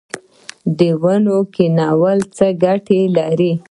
د ونو کینول څه ګټه لري؟